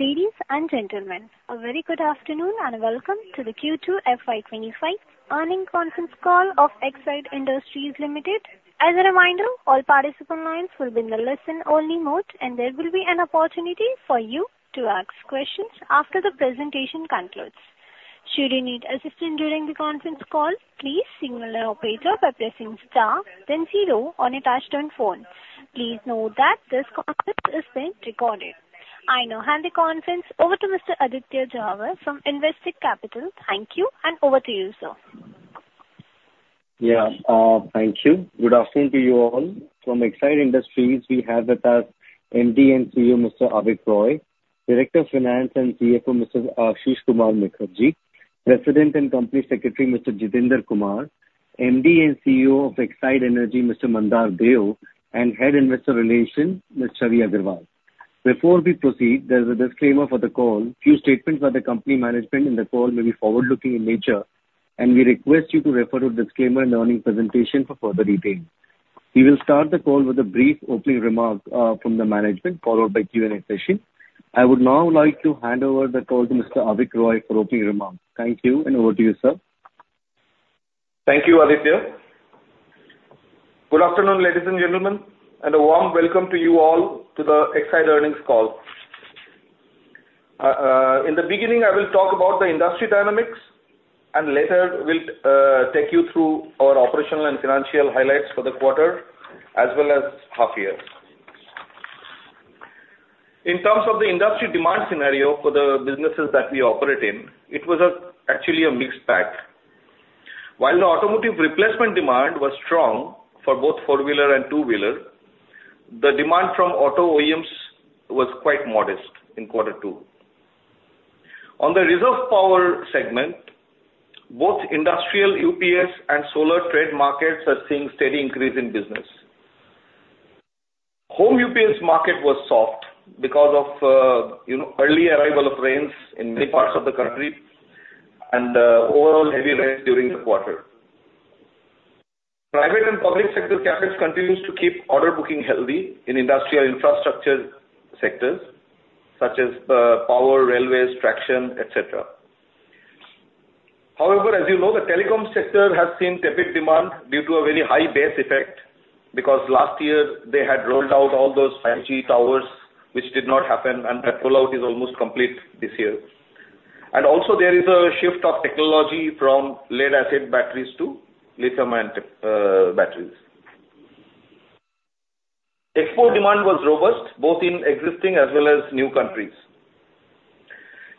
Ladies and gentlemen, a very good afternoon and welcome to the Q2 FY '25 earnings conference call of Exide Industries Limited. As a reminder, all participant lines will be in the listen-only mode, and there will be an opportunity for you to ask questions after the presentation concludes. Should you need assistance during the conference call, please signal your operator by pressing *, then 0 on your touch-tone phone. Please note that this conference is being recorded. I now hand the conference over to Mr. Aditya Jhawar from Investec Capital. Thank you, and over to you, sir. Yeah, thank you. Good afternoon to you all. From Exide Industries, we have with us MD and CEO Mr. Avik Roy, Director of Finance and CFO Mr. Asish Kumar Mukherjee, President and Company Secretary Mr. Jitendra Kumar, MD and CEO of Exide Energy, Mr. Mandar Deo, and Head of Investor Relations, Ms. Chhavi Agarwal. Before we proceed, there's a disclaimer for the call. Few statements by the company management in the call may be forward-looking in nature, and we request you to refer to the disclaimer in the earnings presentation for further details. We will start the call with a brief opening remark from the management, followed by a Q&A session. I would now like to hand over the call to Mr. Avik Roy for opening remarks. Thank you, and over to you, sir. Thank you, Aditya. Good afternoon, ladies and gentlemen, and a warm welcome to you all to the Exide earnings call. In the beginning, I will talk about the industry dynamics, and later we'll take you through our operational and financial highlights for the quarter as well as half-year. In terms of the industry demand scenario for the businesses that we operate in, it was actually a mixed bag. While the automotive replacement demand was strong for both four-wheeler and two-wheeler, the demand from auto OEMs was quite modest in quarter two. On the Reserve Power segment, both industrial UPS and solar trade markets are seeing a steady increase in business. Home UPS market was soft because of early arrival of rains in many parts of the country and overall heavy rains during the quarter. Private and public sector CapEx continues to keep order booking healthy in industrial infrastructure sectors such as power, railways, traction, etc. However, as you know, the Telecom sector has seen tepid demand due to a very high base effect because last year they had rolled out all those 5G towers, which did not happen, and that rollout is almost complete this year, and also, there is a shift of technology from lead-acid batteries to lithium-ion batteries. Export demand was robust, both in existing as well as new countries.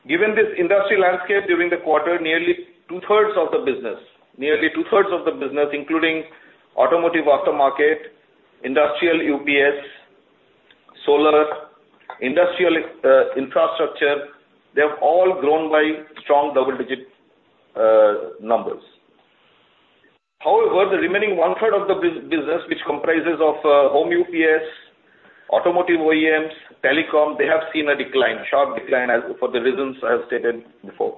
Given this industry landscape during the quarter, nearly two-thirds of the business, nearly two-thirds of the business, including automotive aftermarket, industrial UPS, solar, and industrial infrastructure, they have all grown by strong double-digit numbers. However, the remaining one-third of the business, which comprises of home UPS, automotive OEMs, and Telecom, they have seen a decline, a sharp decline for the reasons I have stated before.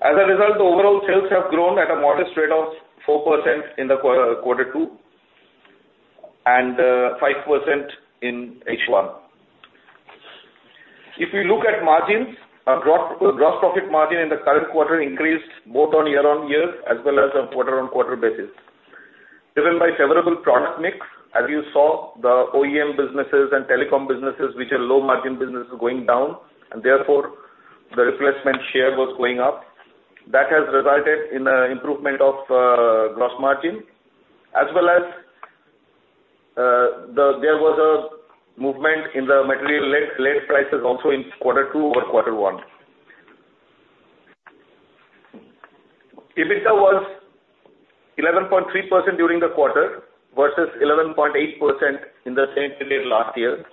As a result, the overall sales have grown at a modest rate of 4% in quarter two and 5% in H1. If we look at margins, gross profit margin in the current quarter increased both on year-on-year as well as on quarter-on-quarter basis, driven by favorable product mix. As you saw, the OEM businesses and Telecom businesses, which are low-margin businesses, were going down, and therefore the replacement share was going up. That has resulted in an improvement of gross margin, as well as there was a movement in the material lead prices also in quarter two or quarter one. EBITDA was 11.3% during the quarter versus 11.8% in the same period last year,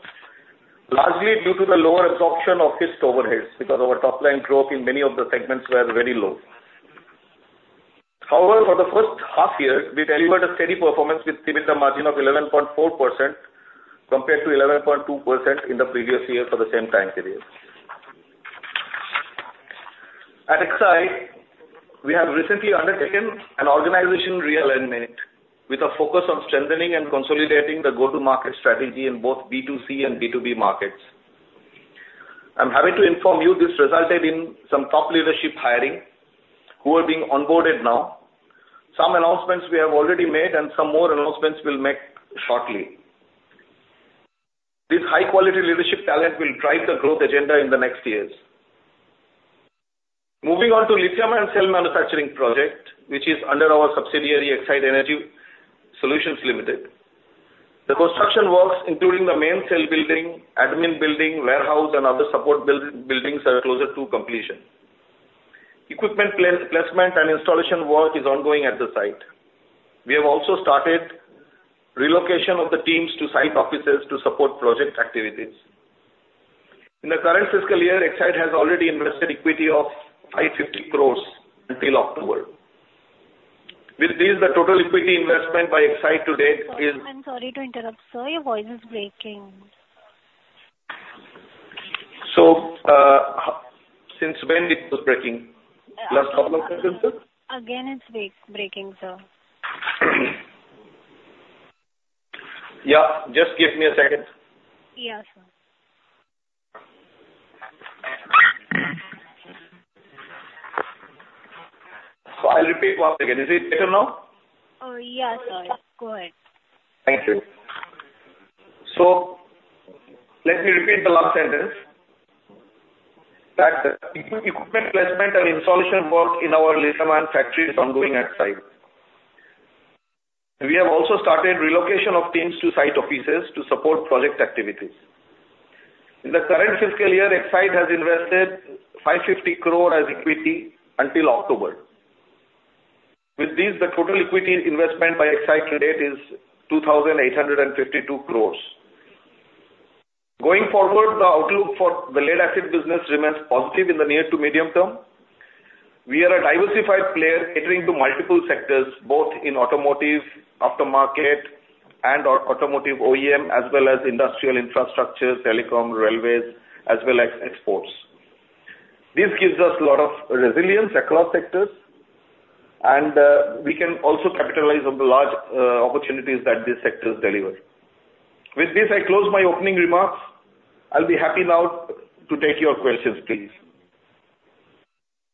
largely due to the lower absorption of fixed overheads because our top-line growth in many of the segments was very low. However, for the first half year, we delivered a steady performance with a margin of 11.4% compared to 11.2% in the previous year for the same time period. At Exide, we have recently undertaken an organization realignment with a focus on strengthening and consolidating the go-to-market strategy in both B2C and B2B markets. I'm happy to inform you this resulted in some top leadership hiring who are being onboarded now. Some announcements we have already made, and some more announcements we'll make shortly. This high-quality leadership talent will drive the growth agenda in the next years. Moving on to the lithium-ion cell manufacturing project, which is under our subsidiary, Exide Energy Solutions Limited. The construction works, including the main cell building, admin building, warehouse, and other support buildings, are closer to completion. Equipment placement and installation work is ongoing at the site. We have also started relocation of the teams to site offices to support project activities. In the current fiscal year, Exide has already invested equity of 550 crores until October. With this, the total equity investment by Exide to date is. I'm sorry to interrupt, sir. Your voice is breaking. So since when is it breaking? Last couple of seconds, sir? Again, it's breaking, sir. Yeah, just give me a second. Yeah, sir. So I'll repeat once again. Is it better now? Oh, yeah, sir. Go ahead. Thank you. So let me repeat the last sentence. Equipment placement and installation work in our lithium-ion factory is ongoing at Exide. We have also started relocation of teams to site offices to support project activities. In the current fiscal year, Exide has invested 550 crore as equity until October. With this, the total equity investment by Exide to date is 2,852 crores. Going forward, the outlook for the lead-acid business remains positive in the near to medium term. We are a diversified player catering to multiple sectors, both in automotive, aftermarket, and automotive OEM, as well as industrial infrastructure, Telecom, railways, as well as exports. This gives us a lot of resilience across sectors, and we can also capitalize on the large opportunities that these sectors deliver. With this, I close my opening remarks. I'll be happy now to take your questions, please.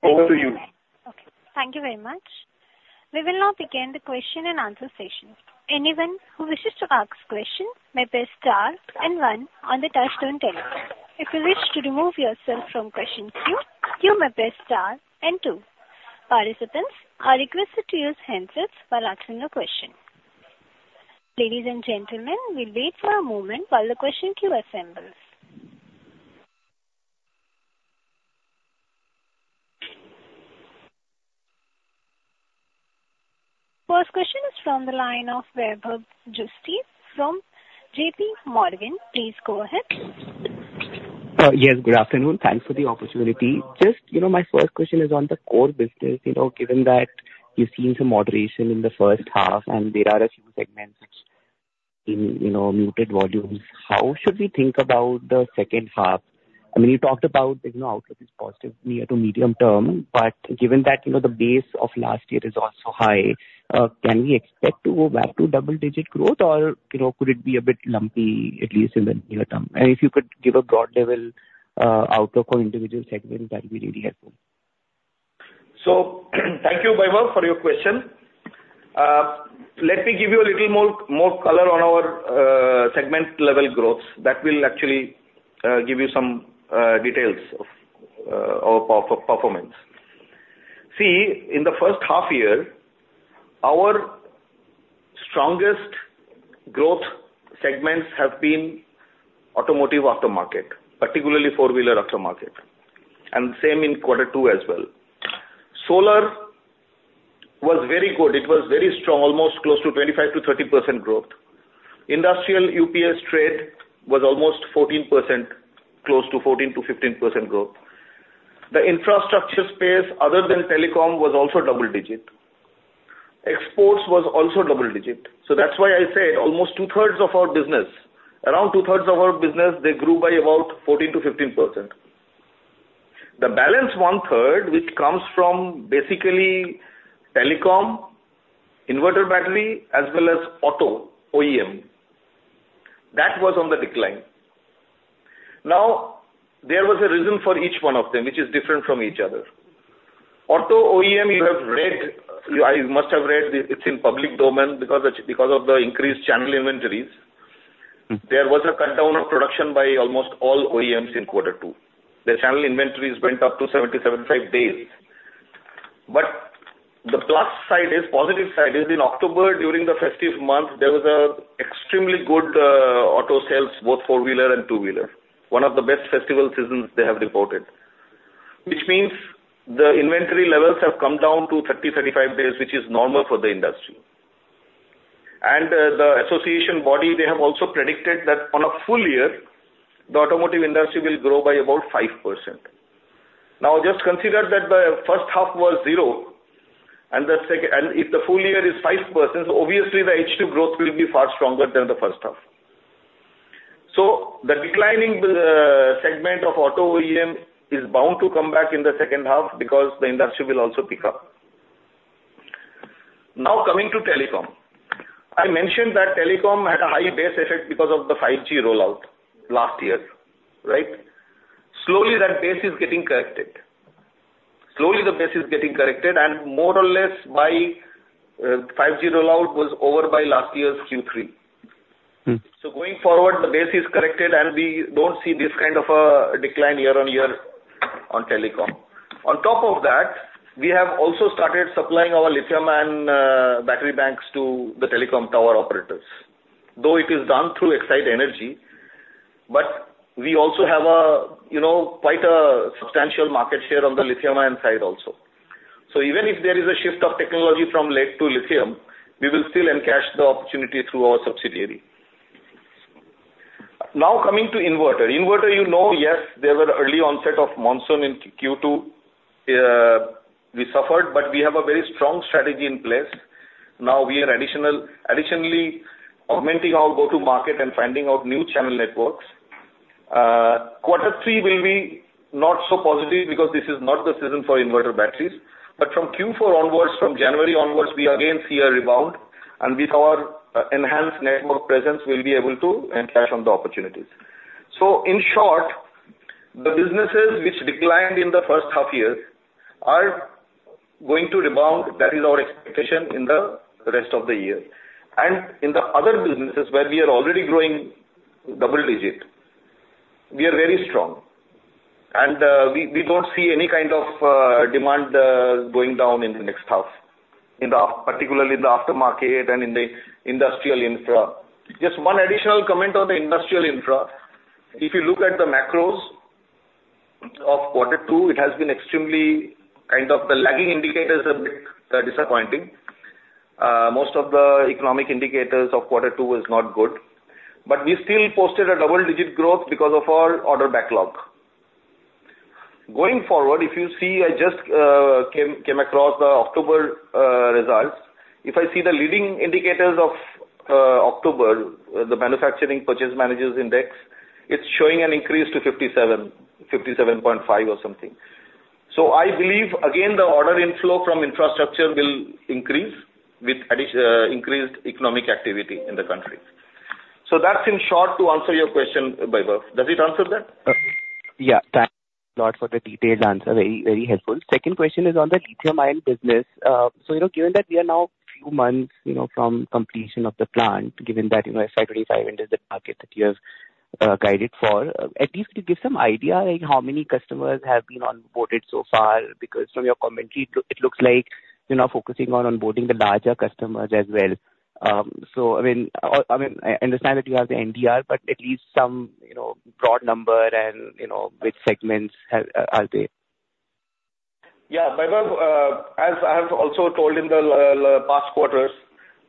Over to you. Okay. Thank you very much. We will now begin the Q&A session. Anyone who wishes to ask a question may press * and 1 on the touch-tone telephone. If you wish to remove yourself from question queue, you may press * and 2. Participants are requested to use handsets while answering a question. Ladies and gentlemen, we'll wait for a moment while the question queue assembles. First question is from the line of Vibhav Zutshi from JPMorgan. Please go ahead. Yes, good afternoon. Thanks for the opportunity. Just my first question is on the core business. Given that you've seen some moderation in the first half, and there are a few segments which are muted volumes, how should we think about the second half? I mean, you talked about outlook is positive near to medium term, but given that the base of last year is also high, can we expect to go back to double-digit growth, or could it be a bit lumpy, at least in the near term? And if you could give a broad-level outlook for individual segments, that would be really helpful. So thank you, Vibhav, for your question. Let me give you a little more color on our segment-level growth. That will actually give you some details of our performance. See, in the first half year, our strongest growth segments have been automotive aftermarket, particularly four-wheeler aftermarket, and the same in quarter two as well. Solar was very good. It was very strong, almost close to 25%-30% growth. Industrial UPS trade was almost 14%, close to 14%-15% growth. The infrastructure space, other than Telecom, was also double-digit. Exports was also double-digit. So that's why I said almost two-thirds of our business, around two-thirds of our business, they grew by about 14%-15%. The balance one-third, which comes from basically Telecom, inverter battery, as well as auto OEM, that was on the decline. Now, there was a reason for each one of them, which is different from each other. Auto OEM, you have read, you must have read it's in public domain because of the increased channel inventories. There was a cutdown of production by almost all OEMs in quarter two. The channel inventories went up to 70-75 days. But the plus side is, positive side is, in October, during the festive month, there was extremely good auto sales, both four-wheeler and two-wheeler, one of the best festival seasons they have reported, which means the inventory levels have come down to 30-35 days, which is normal for the industry, and the association body, they have also predicted that on a full year, the automotive industry will grow by about 5%. Now, just consider that the first half was zero, and if the full year is 5%, obviously the H2 growth will be far stronger than the first half. So the declining segment of auto OEM is bound to come back in the second half because the industry will also pick up. Now, coming to Telecom, I mentioned that Telecom had a high base effect because of the 5G rollout last year, right? Slowly, that base is getting corrected. Slowly, the base is getting corrected, and more or less by 5G rollout was over by last year's Q3. So going forward, the base is corrected, and we don't see this kind of a decline year-on-year on Telecom. On top of that, we have also started supplying our lithium-ion battery banks to the Telecom tower operators, though it is done through Exide Energy. But we also have quite a substantial market share on the lithium-ion side also. So even if there is a shift of technology from lead to lithium, we will still encash the opportunity through our subsidiary. Now, coming to inverter. Inverter, you know, yes, there was an early onset of monsoon in Q2. We suffered, but we have a very strong strategy in place. Now, we are additionally augmenting our go-to-market and finding out new channel networks. Quarter three will be not so positive because this is not the season for inverter batteries. But from Q4 onwards, from January onwards, we again see a rebound, and with our enhanced network presence, we'll be able to encash on the opportunities. So in short, the businesses which declined in the first half year are going to rebound. That is our expectation in the rest of the year. In the other businesses where we are already growing double-digit, we are very strong, and we don't see any kind of demand going down in the next half, particularly in the aftermarket and in the industrial infra. Just one additional comment on the industrial infra. If you look at the macros of quarter two, it has been extremely kind of the lagging indicators are a bit disappointing. Most of the economic indicators of quarter two were not good, but we still posted a double-digit growth because of our order backlog. Going forward, if you see, I just came across the October results. If I see the leading indicators of October, the Manufacturing Purchase Managers' Index, it's showing an increase to 57.5 or something. So I believe, again, the order inflow from infrastructure will increase with increased economic activity in the country. So that's in short to answer your question, Vibhav. Does it answer that? Yeah. Thanks a lot for the detailed answer. Very, very helpful. Second question is on the lithium-ion business. So given that we are now a few months from completion of the plant, given that Exide Industries is the market that you have guided for, at least could you give some idea how many customers have been onboarded so far? Because from your commentary, it looks like you're now focusing on onboarding the larger customers as well. So I mean, I understand that you have the NDA, but at least some broad number and which segments are they? Yeah, Vibhav, as I have also told in the past quarters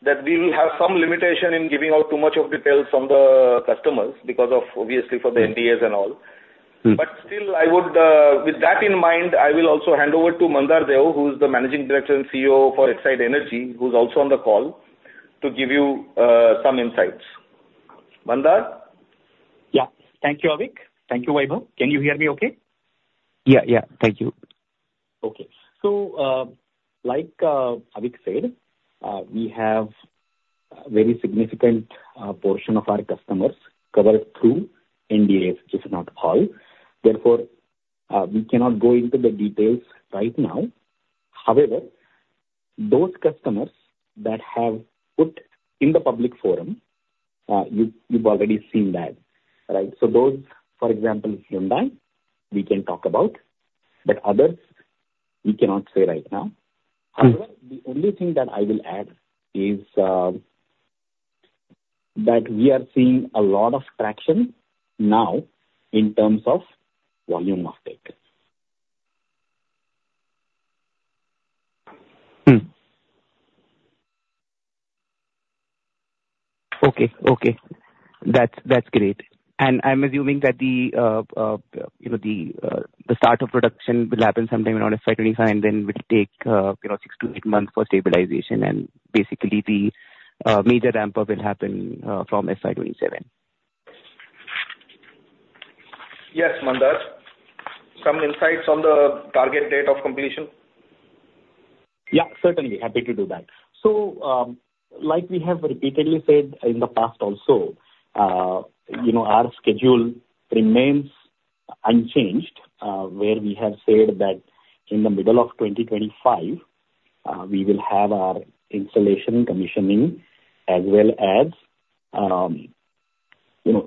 that we will have some limitation in giving out too much of details from the customers because of, obviously, for the NDAs and all. But still, with that in mind, I will also hand over to Mandar Deo, who is the Managing Director and CEO for Exide Energy, who's also on the call to give you some insights. Mandar? Yeah. Thank you, Avik. Thank you, Vibhav. Can you hear me okay? Yeah, yeah. Thank you. Okay. So like Avik said, we have a very significant portion of our customers covered through NDAs, if not all. Therefore, we cannot go into the details right now. However, those customers that have put in the public forum, you've already seen that, right? So those, for example, Hyundai, we can talk about, but others we cannot say right now. However, the only thing that I will add is that we are seeing a lot of traction now in terms of volume uptake. Okay, okay. That's great. And I'm assuming that the start of production will happen sometime around FY '25, and then it will take six to eight months for stabilization, and basically the major ramp-up will happen from FY '27. Yes, Mandar. Some insights on the target date of completion? Yeah, certainly. Happy to do that. So like we have repeatedly said in the past also, our schedule remains unchanged, where we have said that in the middle of 2025, we will have our installation commissioning as well as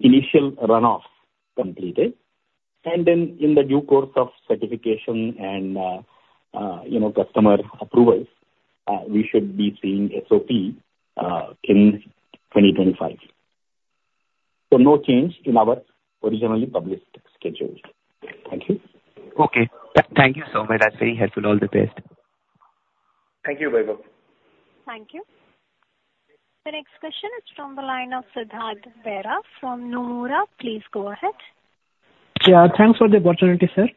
initial run-off completed. And then in the due course of certification and customer approvals, we should be seeing SOP in 2025. No change in our originally published schedule. Thank you. Okay. Thank you so much. That's very helpful. All the best. Thank you, Vibhav. Thank you. The next question is from the line of Siddharth Bera from Nomura. Please go ahead. Yeah. Thanks for the opportunity, sir.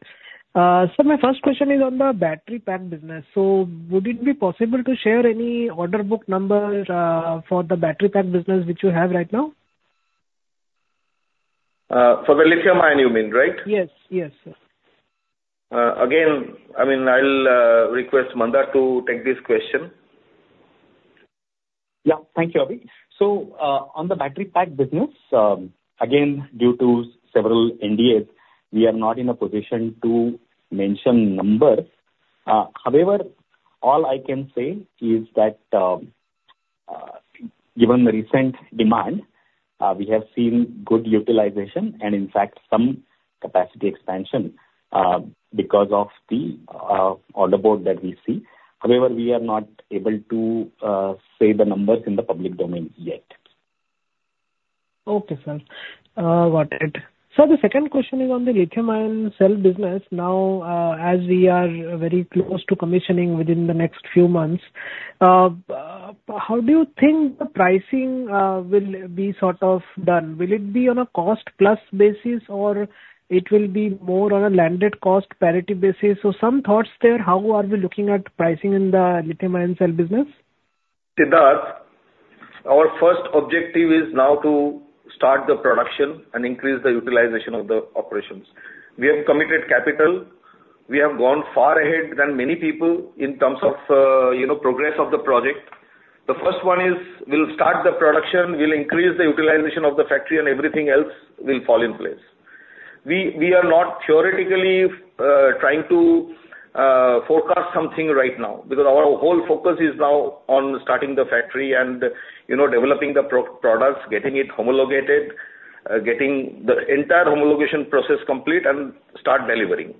So my first question is on the battery pack business. So would it be possible to share any order book number for the battery pack business which you have right now? For the lithium-ion, you mean, right? Yes, yes, sir. Again, I mean, I'll request Mandar to take this question. Yeah. Thank you, Avik. So on the battery pack business, again, due to several NDAs, we are not in a position to mention numbers. However, all I can say is that given the recent demand, we have seen good utilization and, in fact, some capacity expansion because of the order book that we see. However, we are not able to say the numbers in the public domain yet. Okay, sir. Got it. So the second question is on the lithium-ion cell business. Now, as we are very close to commissioning within the next few months, how do you think the pricing will be sort of done? Will it be on a cost-plus basis, or it will be more on a landed cost parity basis? So some thoughts there. How are we looking at pricing in the lithium-ion cell business? Siddharth, our first objective is now to start the production and increase the utilization of the operations. We have committed capital. We have gone far ahead than many people in terms of progress of the project. The first one is we'll start the production, we'll increase the utilization of the factory, and everything else will fall in place. We are not theoretically trying to forecast something right now because our whole focus is now on starting the factory and developing the products, getting it homologated, getting the entire homologation process complete, and start delivering.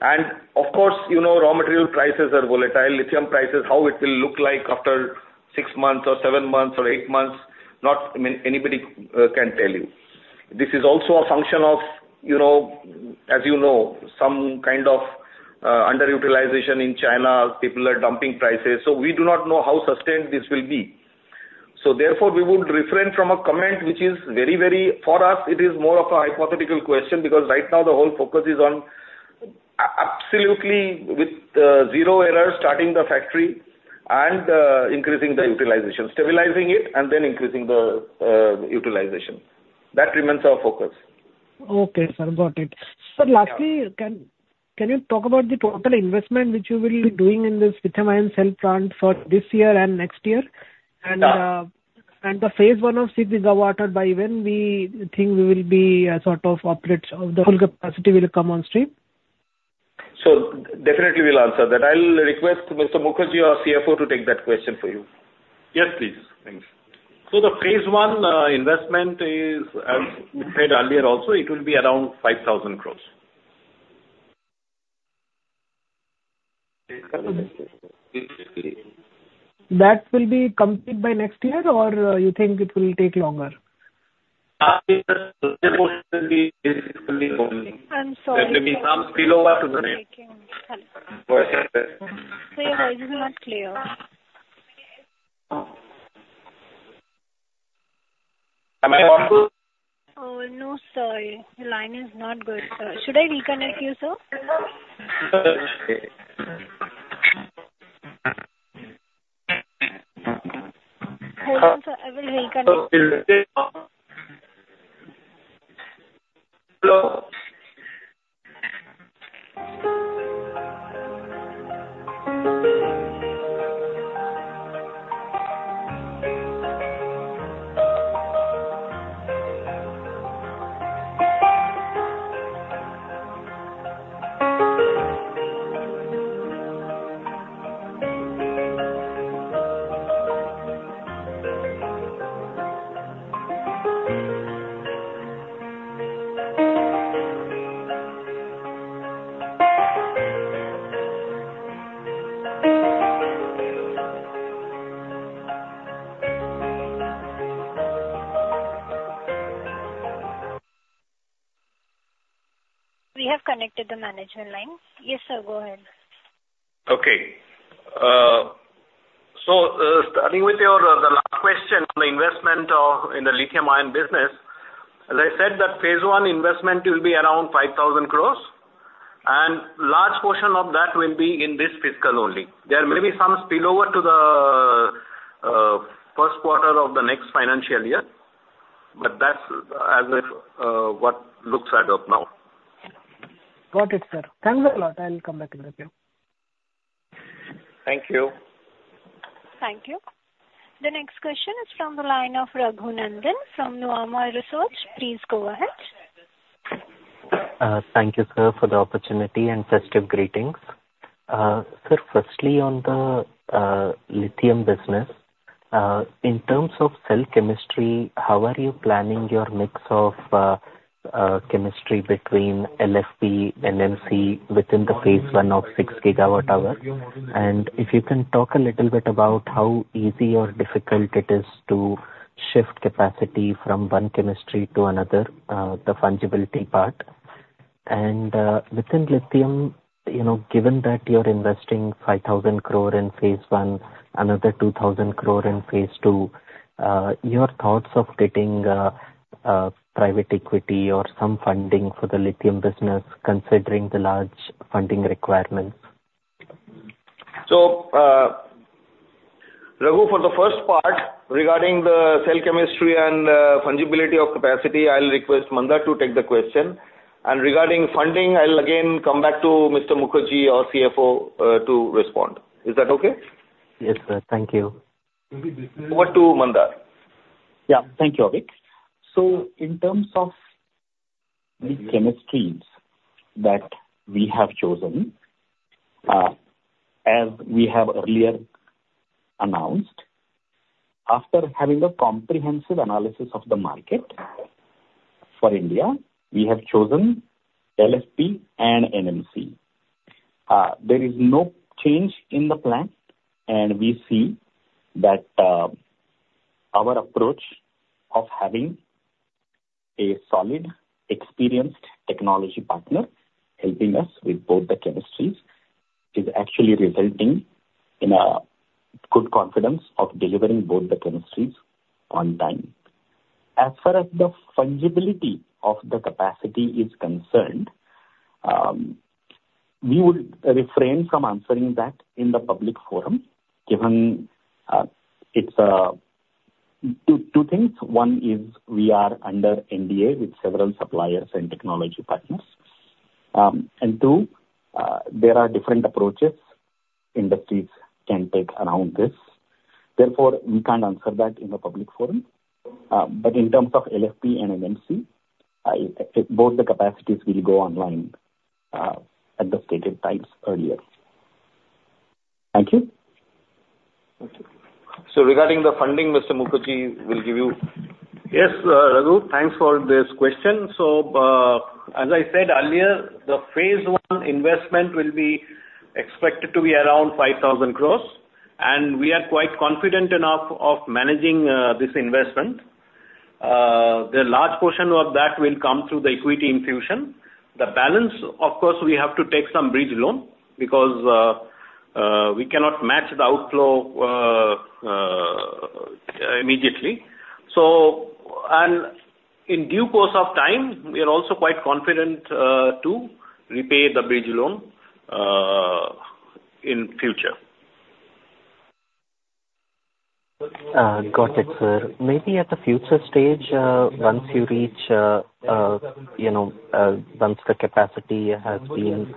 And of course, raw material prices are volatile. Lithium prices, how it will look like after six months or seven months or eight months, not anybody can tell you. This is also a function of, as you know, some kind of underutilization in China. People are dumping prices. So we do not know how sustained this will be. So therefore, we would refrain from a comment which is very, very for us, it is more of a hypothetical question because right now the whole focus is on absolutely with zero error starting the factory and increasing the utilization, stabilizing it, and then increasing the utilization. That remains our focus. Okay, sir. Got it. So lastly, can you talk about the total investment which you will be doing in this lithium-ion cell plant for this year and next year? And the phase I of it was awarded, by when do you think we will be sort of operate the full capacity will come on stream? So definitely we'll answer that. I'll request Mr. Mukherjee, our CFO, to take that question for you. Yes, please. Thanks. So the phase I investment is, as we said earlier also, it will be around 5,000 crores. That will be complete by next year, or you think it will take longer? Sorry, the line is not clear. Am I on? Oh, no, sir. The line is not good. Should I reconnect you, sir? Sure. Hello? Sir, I will reconnect. Hello? We have connected the management line. Yes, sir. Go ahead. Okay. So starting with the last question on the investment in the lithium-ion business, as I said, that phase I investment will be around 5,000 crores, and a large portion of that will be in this fiscal only. There may be some spillover to the first quarter of the next financial year, but that's what looks at it now. Got it, sir. Thanks a lot. I'll come back with you. Thank you. Thank you. The next question is from the line of Raghunandan from Nuvama Research. Please go ahead. Thank you, sir, for the opportunity and festive greetings. Sir, firstly, on the lithium business, in terms of cell chemistry, how are you planning your mix of chemistry between LFP, NMC within the phase I of six GWh? And if you can talk a little bit about how easy or difficult it is to shift capacity from one chemistry to another, the fungibility part. And within lithium, given that you're investing 5,000 crore in phase I, another 2,000 crore in phase II, your thoughts of getting private equity or some funding for the lithium business, considering the large funding requirements? So Raghu, for the first part regarding the cell chemistry and fungibility of capacity, I'll request Mandar to take the question. And regarding funding, I'll again come back to Mr. Mukherjee, our CFO, to respond. Is that okay? Yes, sir. Thank you. Over to Mandar. Yeah. Thank you, Avik. So in terms of the chemistries that we have chosen, as we have earlier announced, after having a comprehensive analysis of the market for India, we have chosen LFP and NMC. There is no change in the plan, and we see that our approach of having a solid, experienced technology partner helping us with both the chemistries is actually resulting in a good confidence of delivering both the chemistries on time. As far as the fungibility of the capacity is concerned, we would refrain from answering that in the public forum given it's two things. One is we are under NDA with several suppliers and technology partners. And two, there are different approaches industries can take around this. Therefore, we can't answer that in the public forum. But in terms of LFP and NMC, both the capacities will go online at the stated times earlier. Thank you. So regarding the funding, Mr. Mukherjee will give you. Yes, Raghu, thanks for this question. So as I said earlier, the phase I investment will be expected to be around 5,000 crores, and we are quite confident enough of managing this investment. The large portion of that will come through the equity infusion. The balance, of course, we have to take some bridge loan because we cannot match the outflow immediately. And in due course of time, we are also quite confident to repay the bridge loan in future. Got it, sir. Maybe at the future stage, once you reach the capacity has been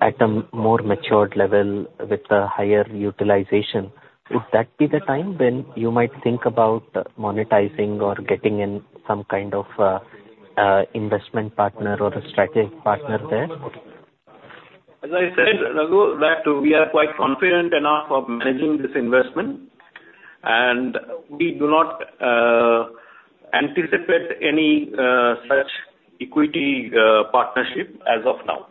at a more matured level with the higher utilization, would that be the time when you might think about monetizing or getting in some kind of investment partner or a strategic partner there? As I said, Raghu, we are quite confident enough of managing this investment, and we do not anticipate any such equity partnership as of now.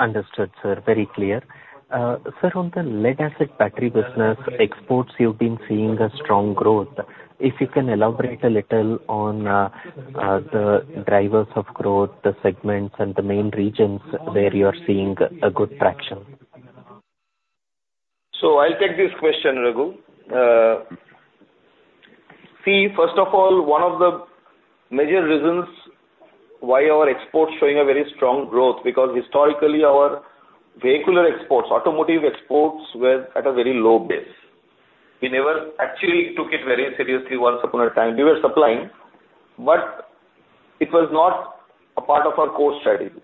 Understood, sir. Very clear. Sir, on the lead-acid battery business exports, you've been seeing a strong growth. If you can elaborate a little on the drivers of growth, the segments, and the main regions where you are seeing a good traction. So I'll take this question, Raghu. See, first of all, one of the major reasons why our exports are showing a very strong growth is because historically, our vehicular exports, automotive exports, were at a very low base. We never actually took it very seriously once upon a time. We were supplying, but it was not a part of our core strategy.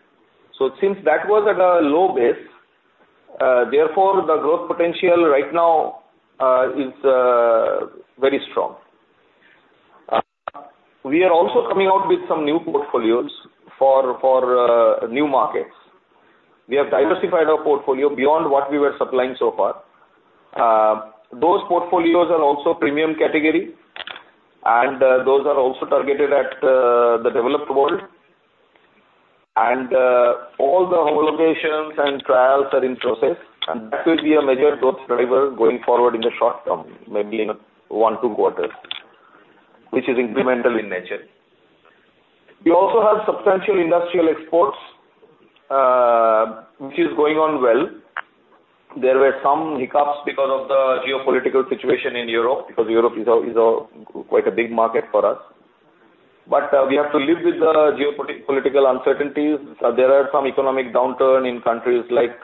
So since that was at a low base, therefore the growth potential right now is very strong. We are also coming out with some new portfolios for new markets. We have diversified our portfolio beyond what we were supplying so far. Those portfolios are also premium category, and those are also targeted at the developed world. All the homologations and trials are in process, and that will be a major growth driver going forward in the short term, maybe in one to two quarters, which is incremental in nature. We also have substantial industrial exports, which is going on well. There were some hiccups because of the geopolitical situation in Europe because Europe is quite a big market for us. But we have to live with the geopolitical uncertainties. There are some economic downturns in countries like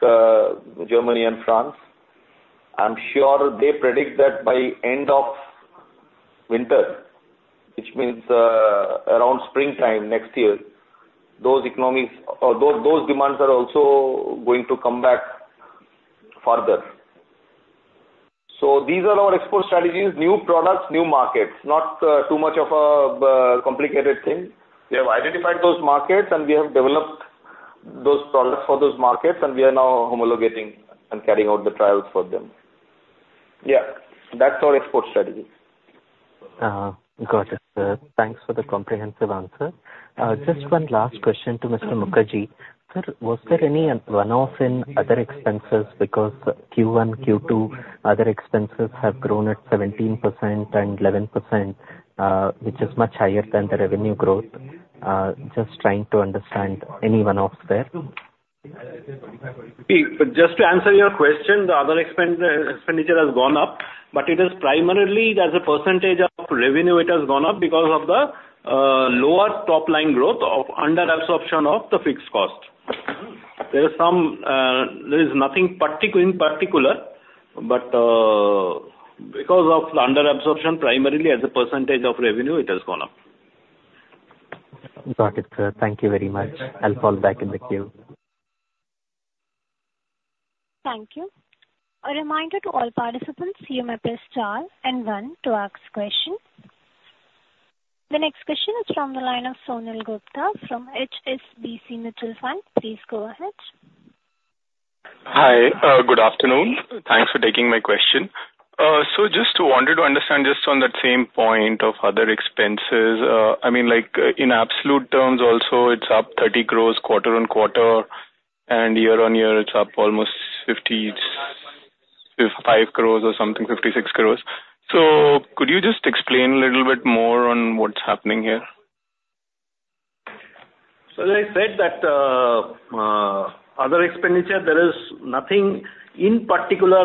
Germany and France. I'm sure they predict that by end of winter, which means around springtime next year, those demands are also going to come back further. These are our export strategies: new products, new markets. Not too much of a complicated thing. We have identified those markets, and we have developed those products for those markets, and we are now homologating and carrying out the trials for them. Yeah. That's our export strategy. Got it, sir. Thanks for the comprehensive answer. Just one last question to Mr. Mukherjee. Sir, was there any run-up in other expenses because Q1, Q2, other expenses have grown at 17% and 11%, which is much higher than the revenue growth? Just trying to understand any run-up there. Just to answer your question, the other expenditure has gone up, but it is primarily as a percentage of revenue it has gone up because of the lower top-line growth of under-absorption of the fixed cost. There is nothing particular, but because of the under-absorption, primarily as a percentage of revenue, it has gone up. Got it, sir. Thank you very much. I'll fall back in the queue. Thank you. A reminder to all participants: you may press * and 1 to ask questions. The next question is from the line of Sonal Gupta from HSBC Mutual Fund. Please go ahead. Hi. Good afternoon. Thanks for taking my question. So just wanted to understand just on that same point of other expenses. I mean, in absolute terms also, it's up 30 crore quarter-on-quarter, and year on year, it's up almost 55 crore or something, 56 crore. So could you just explain a little bit more on what's happening here? As I said, that other expenditure, there is nothing in particular.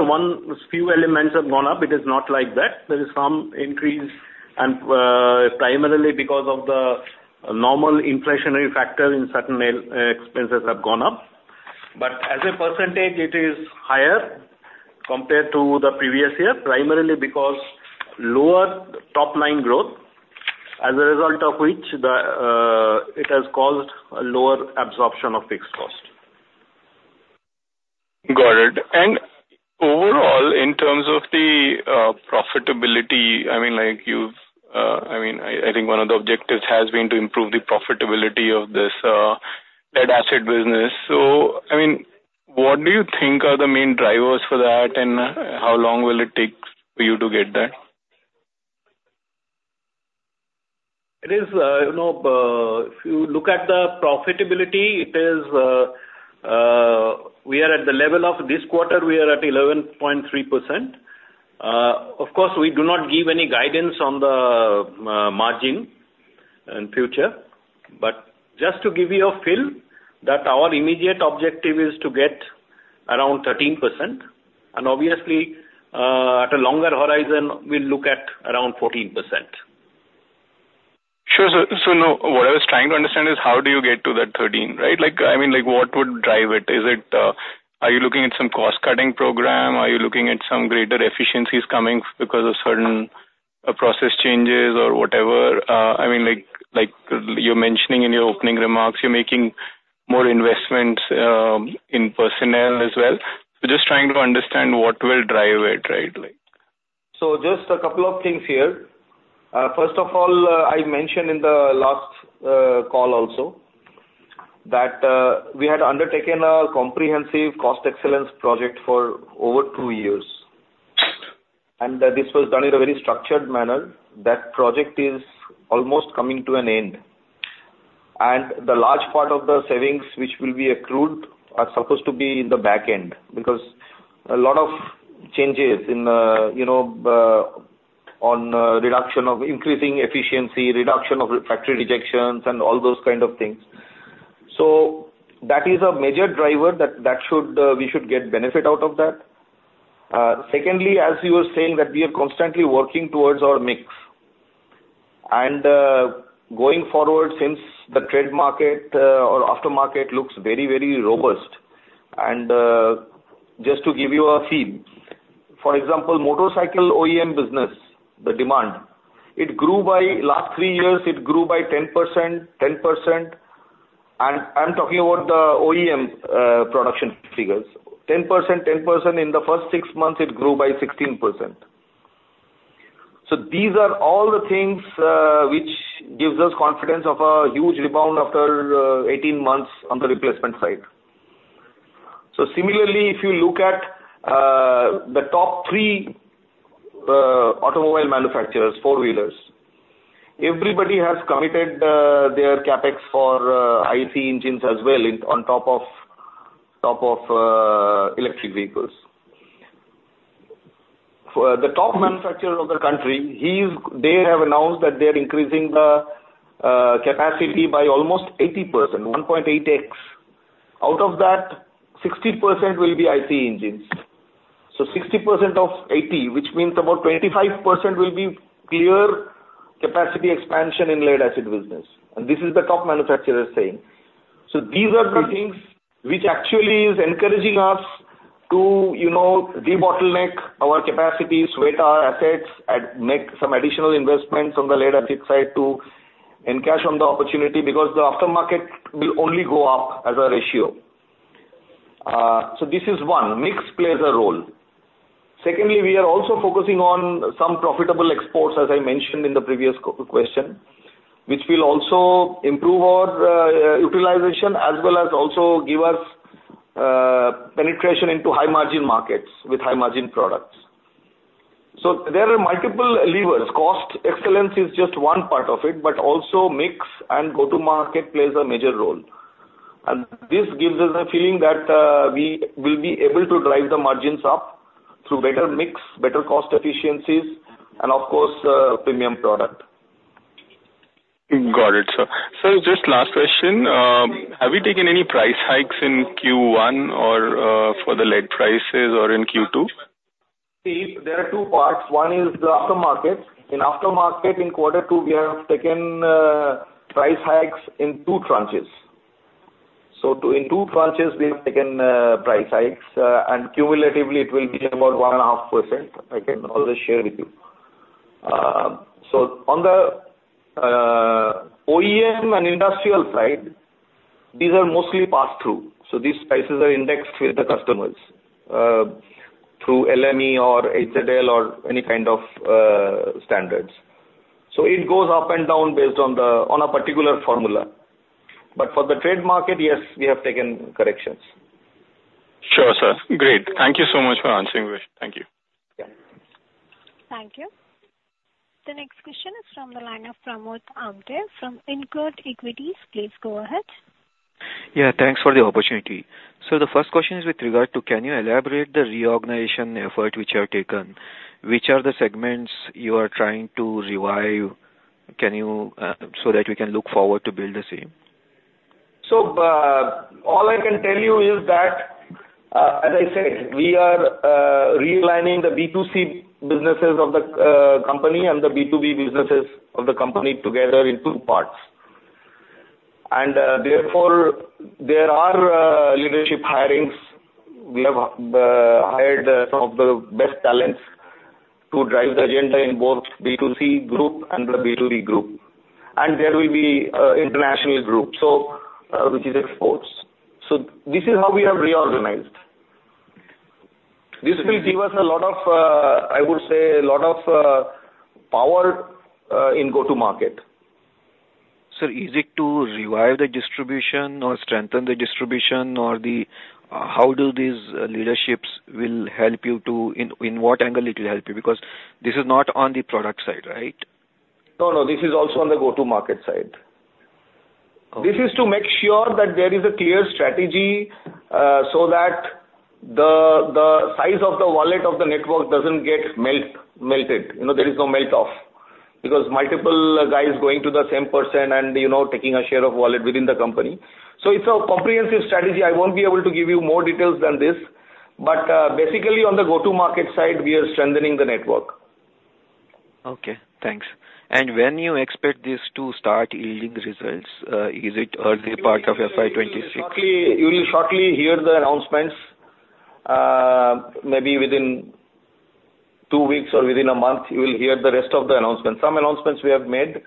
Few elements have gone up. It is not like that. There is some increase, and primarily because of the normal inflationary factor in certain expenses have gone up. But as a percentage, it is higher compared to the previous year, primarily because of lower top-line growth, as a result of which it has caused a lower absorption of fixed cost. Got it, and overall, in terms of the profitability, I mean, I think one of the objectives has been to improve the profitability of this lead-acid business, so I mean, what do you think are the main drivers for that, and how long will it take for you to get that? If you look at the profitability, we are at the level of this quarter, we are at 11.3%. Of course, we do not give any guidance on the margin in the future, but just to give you a feel, that our immediate objective is to get around 13%, and obviously, at a longer horizon, we'll look at around 14%. Sure. So what I was trying to understand is how do you get to that 13, right? I mean, what would drive it? Are you looking at some cost-cutting program? Are you looking at some greater efficiencies coming because of certain process changes or whatever? I mean, like you're mentioning in your opening remarks, you're making more investments in personnel as well. So just trying to understand what will drive it, right? So just a couple of things here. First of all, I mentioned in the last call also that we had undertaken a comprehensive cost excellence project for over two years. And this was done in a very structured manner. That project is almost coming to an end. And the large part of the savings, which will be accrued, are supposed to be in the back end because a lot of changes on reduction of increasing efficiency, reduction of factory rejections, and all those kinds of things. So that is a major driver that we should get benefit out of that. Secondly, as you were saying, that we are constantly working towards our mix. And going forward, since the trade market or aftermarket looks very, very robust. And just to give you a feel, for example, motorcycle OEM business, the demand. It grew by 10% over the last three years. And I'm talking about the OEM production figures. 10%, 10% in the first six months, it grew by 16%. So these are all the things which give us confidence of a huge rebound after 18 months on the replacement side. So similarly, if you look at the top three automobile manufacturers, four-wheelers, everybody has committed their CapEx for IC engines as well on top of electric vehicles. The top manufacturer of the country, they have announced that they are increasing the capacity by almost 80%, 1.8x. Out of that, 60% will be IC engines. So 60% of 80, which means about 25% will be clear capacity expansion in lead-acid business. And this is the top manufacturer saying. So these are the things which actually are encouraging us to de-bottleneck our capacities, weigh our assets, and make some additional investments on the lead-acid side to encash on the opportunity because the aftermarket will only go up as a ratio. So this is one. Mix plays a role. Secondly, we are also focusing on some profitable exports, as I mentioned in the previous question, which will also improve our utilization as well as also give us penetration into high-margin markets with high-margin products. So there are multiple levers. Cost excellence is just one part of it, but also mix and go-to-market plays a major role. And this gives us a feeling that we will be able to drive the margins up through better mix, better cost efficiencies, and of course, premium product. Got it, sir. Sir, just last question. Have you taken any price hikes in Q1 or for the lead prices or in Q2? See, there are two parts. One is the aftermarket. In aftermarket, in quarter two, we have taken price hikes in two tranches. So in two tranches, we have taken price hikes. And cumulatively, it will be about 1.5%. I can also share with you. So on the OEM and industrial side, these are mostly passed through. So these prices are indexed with the customers through LME or HZL or any kind of standards. So it goes up and down based on a particular formula. But for the trade market, yes, we have taken corrections. Sure, sir. Great. Thank you so much for answering the question. Thank you. Thank you. The next question is from the line of Pramod Amthe from InCred Equities. Please go ahead. Yeah. Thanks for the opportunity. So the first question is with regard to can you elaborate the reorganization effort which you have taken? Which are the segments you are trying to revive so that we can look forward to build the same? So all I can tell you is that, as I said, we are realigning the B2C businesses of the company and the B2B businesses of the company together in two parts. And therefore, there are leadership hirings. We have hired some of the best talents to drive the agenda in both B2C group and the B2B group. And there will be international groups, which is exports. So this is how we have reorganized. This will give us a lot of, I would say, a lot of power in go-to-market. Sir, is it to revive the distribution or strengthen the distribution? How do these leaderships will help you to in what angle it will help you? Because this is not on the product side, right? No, no. This is also on the go-to-market side. This is to make sure that there is a clear strategy so that the size of the wallet of the network doesn't get melted. There is no melt-off because multiple guys going to the same person and taking a share of wallet within the company. So it's a comprehensive strategy. I won't be able to give you more details than this. But basically, on the go-to-market side, we are strengthening the network. Okay. Thanks. And when you expect these to start yielding results, is it early part of FY '26? You will shortly hear the announcements. Maybe within two weeks or within a month, you will hear the rest of the announcements. Some announcements we have made.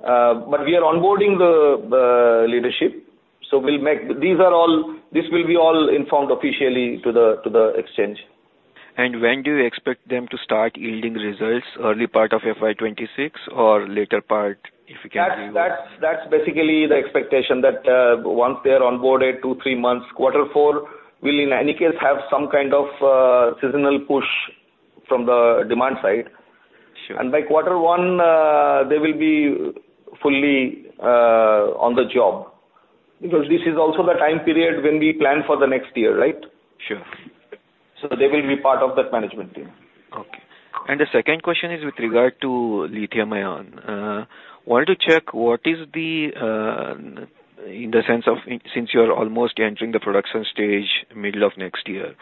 But we are onboarding the leadership. So these will be all informed officially to the exchange. When do you expect them to start yielding results, early part of FY '26 or later part, if you can give? That's basically the expectation that once they are onboarded, two, three months, quarter four, we'll in any case have some kind of seasonal push from the demand side. And by quarter one, they will be fully on the job because this is also the time period when we plan for the next year, right? Sure. They will be part of the management team. Okay. And the second question is with regard to lithium-ion. I want to check what is the, in the sense of since you're almost entering the production stage middle of next year,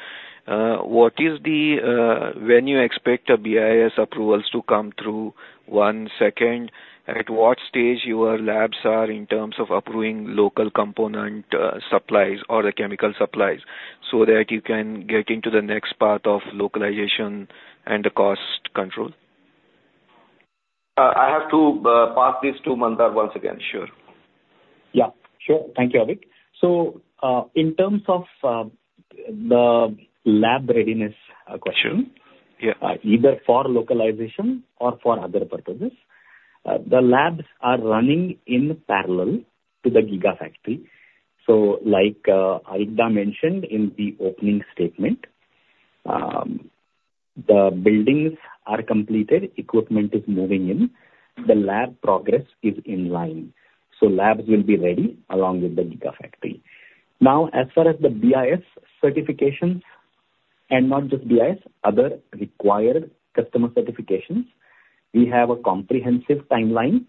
what is the when you expect BIS approvals to come through. One second. At what stage your labs are in terms of approving local component supplies or the chemical supplies so that you can get into the next part of localization and the cost control? I have to pass these to Mandar once again. Sure. Yeah. Sure. Thank you, Avik. So in terms of the lab readiness question, either for localization or for other purposes, the labs are running in parallel to the gigafactory. So like Avik mentioned in the opening statement, the buildings are completed, equipment is moving in, the lab progress is in line. So labs will be ready along with the gigafactory. Now, as far as the BIS certifications and not just BIS, other required customer certifications, we have a comprehensive timeline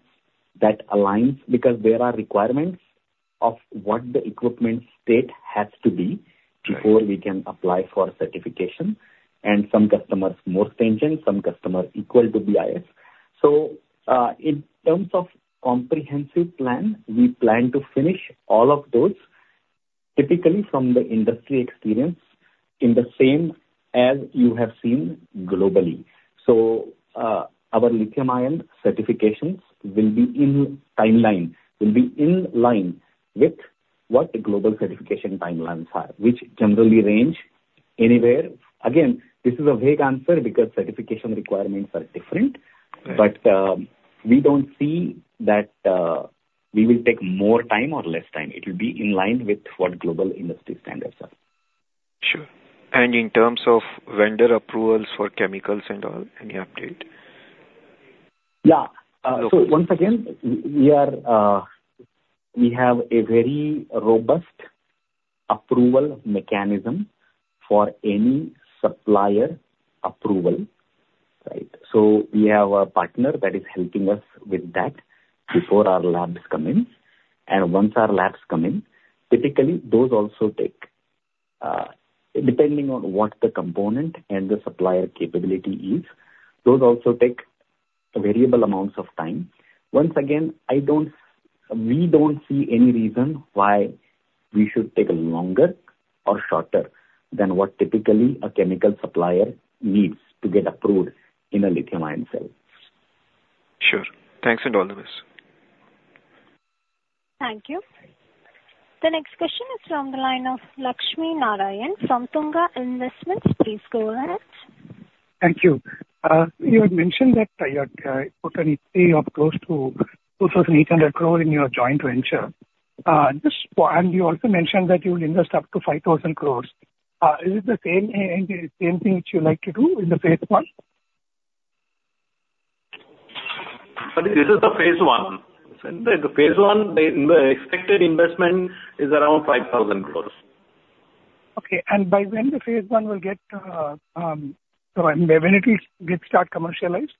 that aligns because there are requirements of what the equipment state has to be before we can apply for certification. And some customers more stringent, some customers equal to BIS. So in terms of comprehensive plan, we plan to finish all of those, typically from the industry experience, in the same as you have seen globally. So, our lithium-ion certifications will be in timeline, will be in line with what the global certification timelines are, which generally range anywhere. Again, this is a vague answer because certification requirements are different. But we don't see that we will take more time or less time. It will be in line with what global industry standards are. Sure. And in terms of vendor approvals for chemicals and all, any update? Yeah. So once again, we have a very robust approval mechanism for any supplier approval, right? So we have a partner that is helping us with that before our labs come in. And once our labs come in, typically those also take, depending on what the component and the supplier capability is, those also take variable amounts of time. Once again, we don't see any reason why we should take longer or shorter than what typically a chemical supplier needs to get approved in a lithium-ion cell. Sure. Thanks and all the best. Thank you. The next question is from the line of Lakshminarayan from Tunga Investments. Please go ahead. Thank you. You had mentioned that you put a total of close to 2,800 crores in your joint venture, and you also mentioned that you will invest up to 5,000 crores. Is it the same thing which you like to do in the phase I? This is the phase I. The phase I, the expected investment is around 5,000 crores. Okay. By when will the phase I get started commercialized?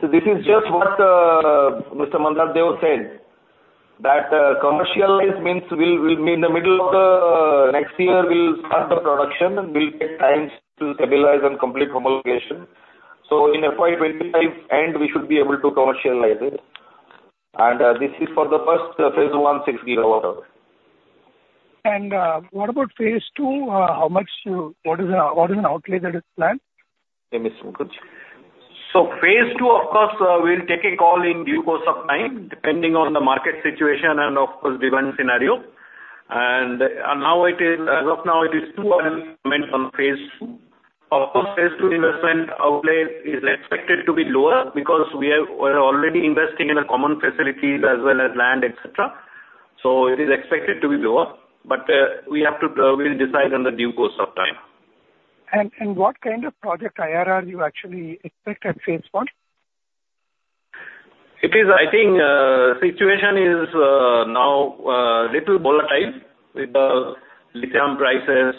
So this is just what Mr. Mandar Deo said, that commercialized means we'll be in the middle of the next year, we'll start the production, and we'll take time to stabilize and complete homologation. So in FY '25, we should be able to commercialize it. And this is for the first phase I, six GWh. What about phase II? What is an outlay that is planned? So phase II, of course, we'll take a call in due course of time, depending on the market situation and, of course, demand scenario. And as of now, it is too early to comment on phase II. Of course, phase II investment outlay is expected to be lower because we are already investing in the common facilities as well as land, etc. So it is expected to be lower. But we will decide in due course of time. What kind of project IRR you actually expect at phase I? I think the situation is now a little volatile with the lithium prices,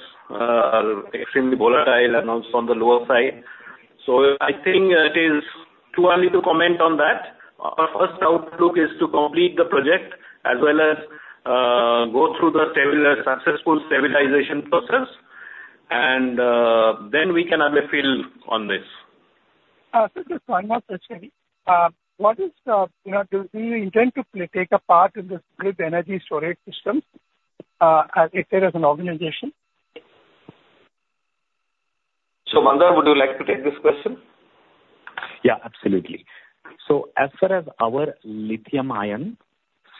extremely volatile, and also on the lower side, so I think it is too early to comment on that. Our first outlook is to complete the project as well as go through the successful stabilization process, and then we can have a feel on this. Sir, just one more question. Do you intend to take part in this grid energy storage system, as it is, as an organization? So Mandar, would you like to take this question? Yeah, absolutely. So as far as our lithium-ion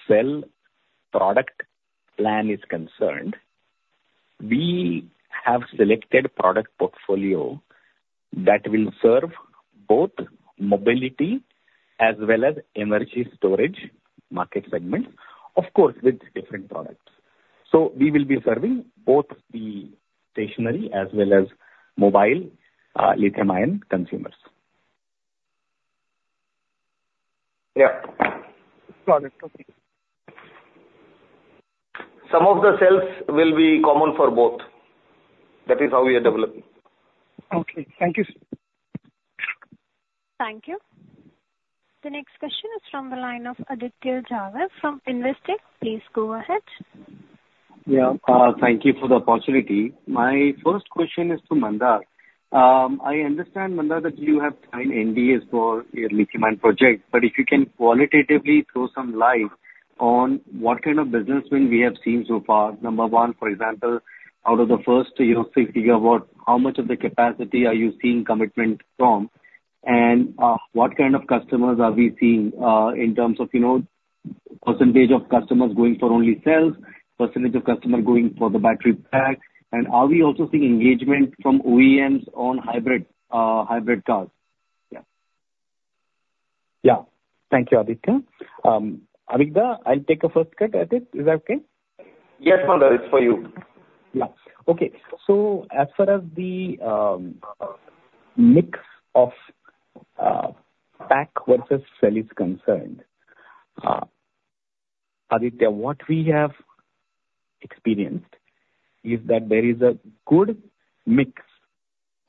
cell product plan is concerned, we have selected a product portfolio that will serve both mobility as well as energy storage market segments, of course, with different products. So we will be serving both the stationary as well as mobile lithium-ion consumers. Yeah. Got it. Okay. Some of the cells will be common for both. That is how we are developing. Okay. Thank you. Thank you. The next question is from the line of Aditya Jhawar from Investec. Please go ahead. Yeah. Thank you for the opportunity. My first question is to Mandar. I understand, Mandar, that you have signed NDAs for your lithium-ion project. But if you can qualitatively throw some light on what kind of business win we have seen so far, number one, for example, out of the first 6 GW, how much of the capacity are you seeing commitment from? And what kind of customers are we seeing in terms of percentage of customers going for only cells, percentage of customers going for the battery pack? And are we also seeing engagement from OEMs on hybrid cars? Yeah. Yeah. Thank you, Aditya. Avik, I'll take a first cut at it. Is that okay? Yes, Mandar. It's for you. Yeah. Okay. So as far as the mix of pack versus cell is concerned, Aditya, what we have experienced is that there is a good mix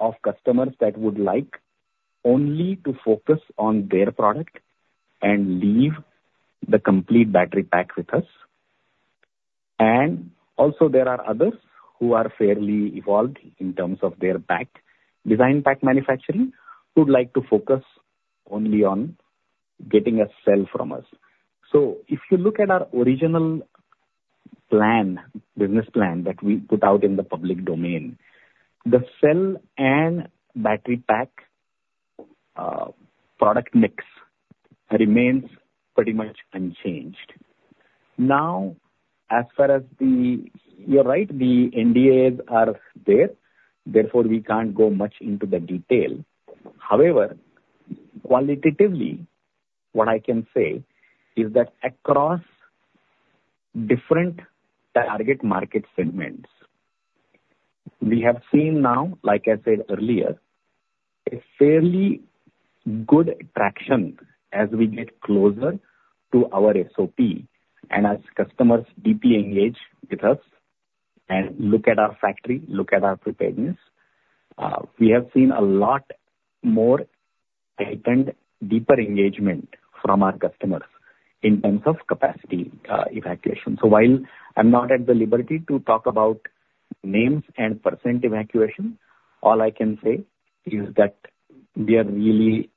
of customers that would like only to focus on their product and leave the complete battery pack with us. And also, there are others who are fairly evolved in terms of their pack design pack manufacturing who would like to focus only on getting a cell from us. So if you look at our original business plan that we put out in the public domain, the cell and battery pack product mix remains pretty much unchanged. Now, as far as you're right, the NDAs are there. Therefore, we can't go much into the detail. However, qualitatively, what I can say is that across different target market segments, we have seen now, like I said earlier, a fairly good traction as we get closer to our SOP and as customers deeply engage with us and look at our factory, look at our preparedness. We have seen a lot more deeper engagement from our customers in terms of capacity evacuation. So while I'm not at the liberty to talk about names and percent evacuation, all I can say is that we are really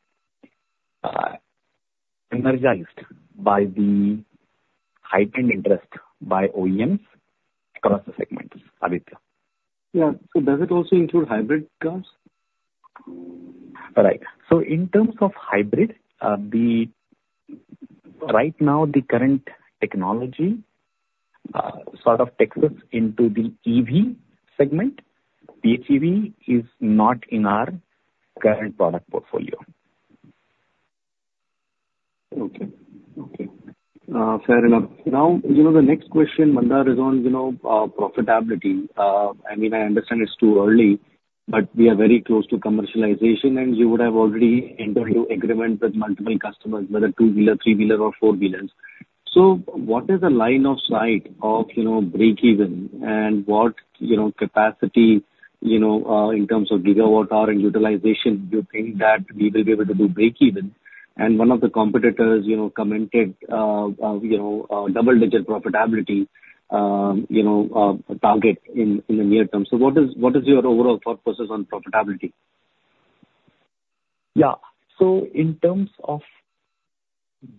energized by the heightened interest by OEMs across the segments. Yeah, so does it also include hybrid cars? Right, so in terms of hybrid, right now, the current technology sort of takes us into the EV segment. BEV is not in our current product portfolio. Okay. Okay. Fair enough. Now, the next question, Mandar, is on profitability. I mean, I understand it's too early, but we are very close to commercialization, and you would have already entered into agreement with multiple customers, whether two-wheeler, three-wheeler, or four-wheelers. So what is the line of sight of breakeven and what capacity in terms of GWh and utilization you think that we will be able to do breakeven? And one of the competitors commented double-digit profitability target in the near term. So what is your overall thought process on profitability? Yeah. So in terms of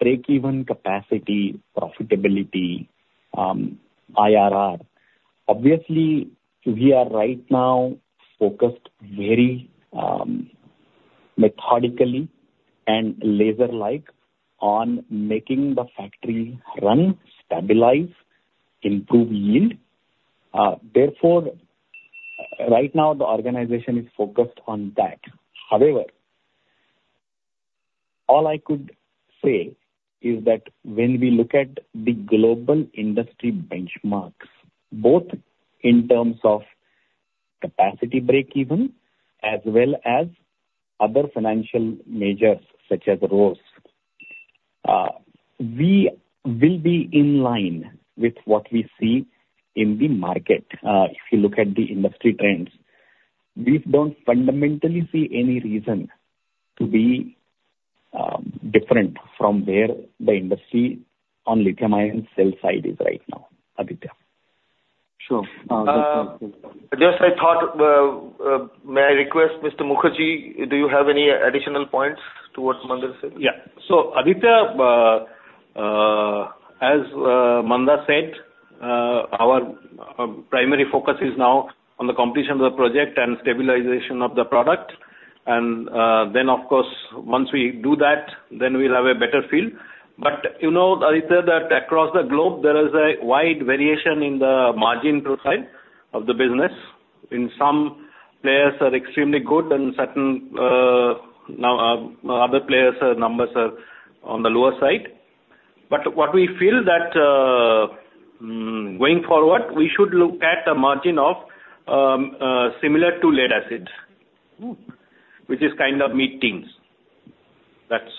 breakeven capacity, profitability, IRR, obviously, we are right now focused very methodically and laser-like on making the factory run, stabilize, improve yield. Therefore, right now, the organization is focused on that. However, all I could say is that when we look at the global industry benchmarks, both in terms of capacity breakeven as well as other financial measures such as ROEs, we will be in line with what we see in the market. If you look at the industry trends, we don't fundamentally see any reason to be different from where the industry on lithium-ion cell side is right now, Aditya. Sure. Just a thought. May I request, Mr. Mukherjee, do you have any additional points towards Mandar? Yeah. So Aditya, as Mandar said, our primary focus is now on the completion of the project and stabilization of the product. And then, of course, once we do that, then we'll have a better feel. But you know, Aditya, that across the globe, there is a wide variation in the margin profile of the business. In some players, margins are extremely good, and in other players, numbers are on the lower side. But what we feel that going forward, we should look at a margin similar to lead-acid, which is kind of mid-teens. That's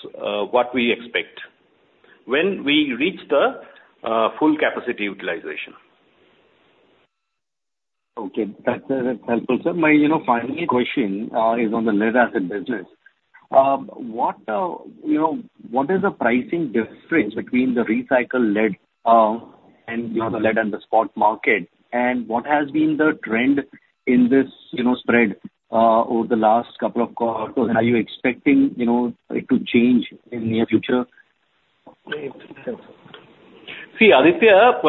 what we expect when we reach the full capacity utilization. Okay. That's helpful, sir. My final question is on the lead-acid business. What is the pricing difference between the recycled lead and the lead and the spot market? And what has been the trend in this spread over the last couple of quarters? Are you expecting it to change in the near future? See, Aditya,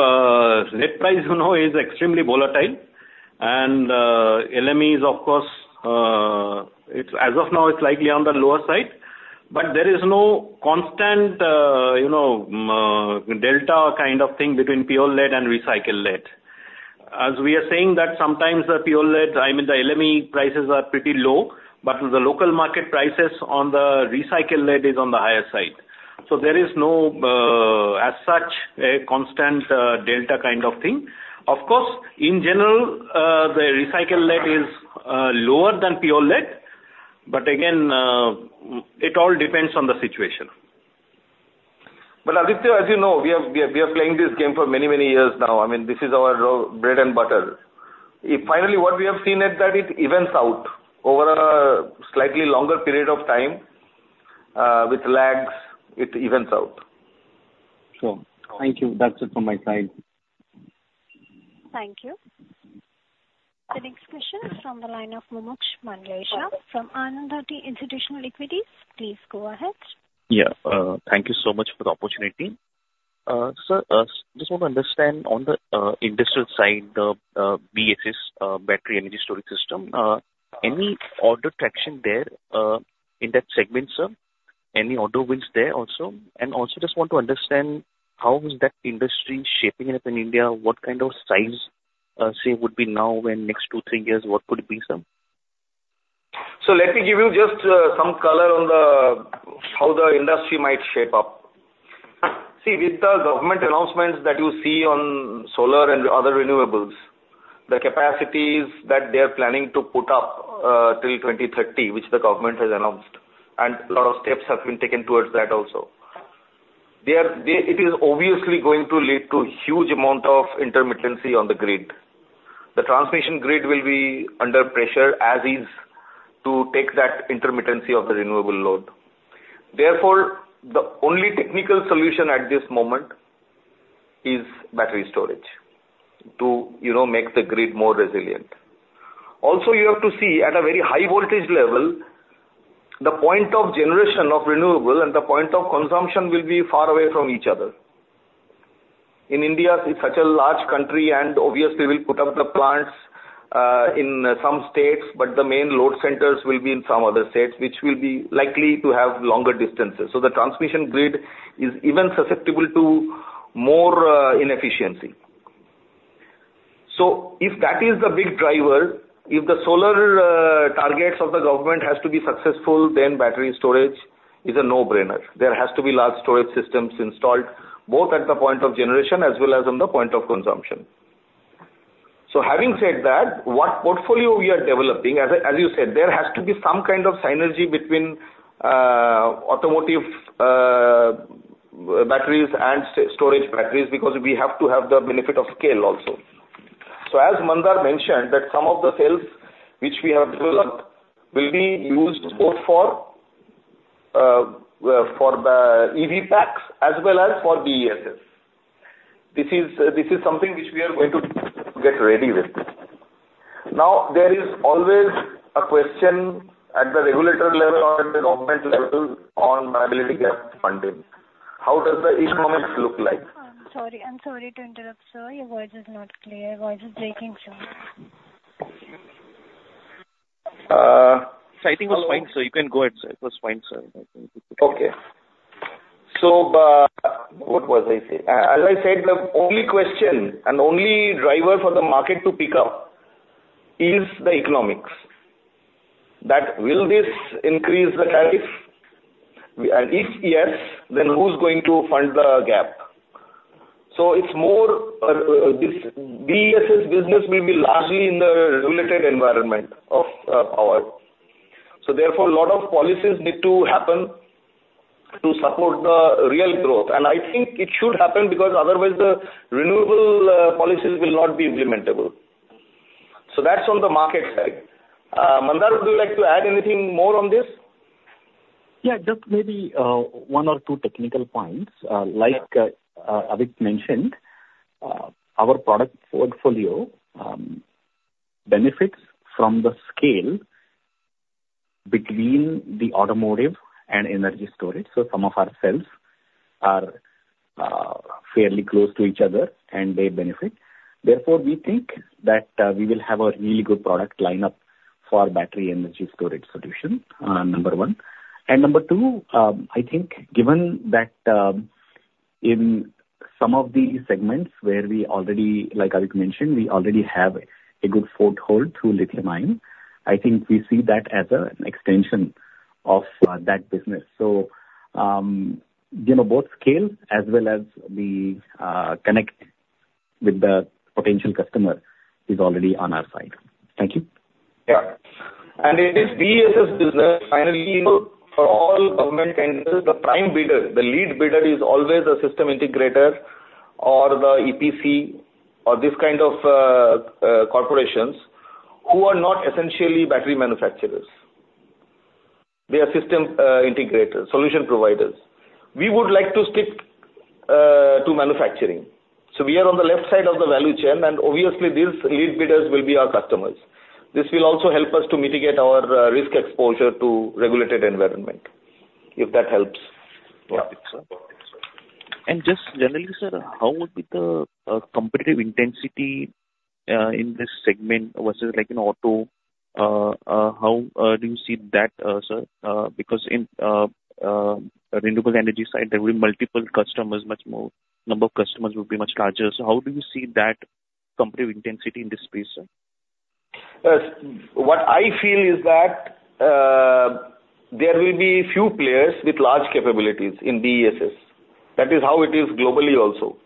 lead price is extremely volatile, and LME, of course, as of now, is likely on the lower side, but there is no constant delta kind of thing between pure lead and recycled lead. As we are saying that sometimes the pure lead, I mean, the LME prices are pretty low, but the local market prices on the recycled lead is on the higher side, so there is no, as such, a constant delta kind of thing. Of course, in general, the recycled lead is lower than pure lead, but again, it all depends on the situation. But Aditya, as you know, we are playing this game for many, many years now. I mean, this is our bread and butter. Finally, what we have seen is that it evens out over a slightly longer period of time. With lags, it evens out. Sure. Thank you. That's it from my side. Thank you. The next question is from the line of Mumuksh Mandlesha from Anand Rathi Institutional Equities. Please go ahead. Yeah. Thank you so much for the opportunity. Sir, I just want to understand on the industrial side, the BESS- Battery Energy Storage System. Any order traction there in that segment, sir? Any order wins there also? And also, just want to understand how is that industry shaping up in India? What kind of size, say, would be now in the next two, three years? What could it be, sir? So let me give you just some color on how the industry might shape up. See, with the government announcements that you see on solar and other renewables, the capacities that they are planning to put up till 2030, which the government has announced, and a lot of steps have been taken towards that also, it is obviously going to lead to a huge amount of intermittency on the grid. The transmission grid will be under pressure as is to take that intermittency of the renewable load. Therefore, the only technical solution at this moment is battery storage to make the grid more resilient. Also, you have to see at a very high voltage level, the point of generation of renewable and the point of consumption will be far away from each other. In India, it's such a large country, and obviously, we'll put up the plants in some states, but the main load centers will be in some other states, which will be likely to have longer distances. So the transmission grid is even susceptible to more inefficiency. So if that is the big driver, if the solar targets of the government have to be successful, then battery storage is a no-brainer. There has to be large storage systems installed both at the point of generation as well as on the point of consumption. So having said that, what portfolio we are developing, as you said, there has to be some kind of synergy between automotive batteries and storage batteries because we have to have the benefit of scale also. As Mandar mentioned, some of the cells which we have developed will be used both for EV packs as well as for BESS. This is something which we are going to get ready with. Now, there is always a question at the regulatory level or at the government level on liability gap funding. How does the economics look like? Sorry. I'm sorry to interrupt, sir. Your voice is not clear. Voice is breaking some. So I think it was fine, sir. You can go ahead, sir. It was fine, sir. Okay. So what was I saying? As I said, the only question and only driver for the market to pick up is the economics. Will this increase the tariff? If yes, then who's going to fund the gap? So it's more this BESS business will be largely in the regulated environment of power. So therefore, a lot of policies need to happen to support the real growth. And I think it should happen because otherwise, the renewable policies will not be implementable. So that's on the market side. Mandar, would you like to add anything more on this? Yeah. Just maybe one or two technical points. Like Aditya mentioned, our product portfolio benefits from the scale between the automotive and energy storage. So some of our cells are fairly close to each other, and they benefit. Therefore, we think that we will have a really good product lineup for battery energy storage solution, number one. And number two, I think given that in some of the segments where we already, like Aditya mentioned, we already have a good foothold through lithium-ion, I think we see that as an extension of that business. So both scale as well as the connect with the potential customer is already on our side. Thank you. Yeah. And in this BESS business, finally, for all government entities, the prime bidder, the lead bidder is always a system integrator or the EPC or these kind of corporations who are not essentially battery manufacturers. They are system integrators, solution providers. We would like to stick to manufacturing. So we are on the left side of the value chain, and obviously, these lead bidders will be our customers. This will also help us to mitigate our risk exposure to regulated environment, if that helps. And just generally, sir, how would be the competitive intensity in this segment versus like in auto? How do you see that, sir? Because in renewable energy side, there will be multiple customers, much more number of customers will be much larger. So how do you see that competitive intensity in this space, sir? What I feel is that there will be few players with large capabilities in BESS. That is how it is globally also.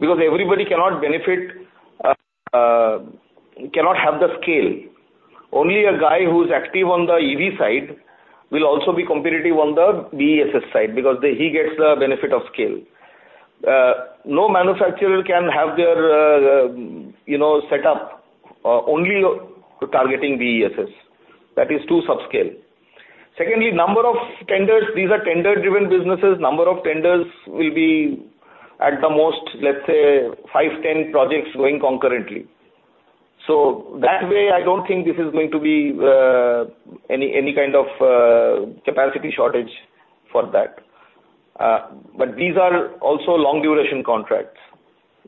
Because everybody cannot benefit, cannot have the scale. Only a guy who's active on the EV side will also be competitive on the BESS side because he gets the benefit of scale. No manufacturer can have their setup only targeting BESS. That is too subscale. Secondly, number of tenders, these are tender-driven businesses. Number of tenders will be at the most, let's say, five, 10 projects going concurrently. So that way, I don't think this is going to be any kind of capacity shortage for that. But these are also long-duration contracts.